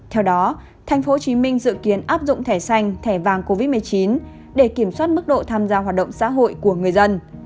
theo đó tp hcm dự kiến áp dụng thẻ xanh thẻ vàng covid một mươi chín để kiểm soát mức độ tham gia hoạt động xã hội của người dân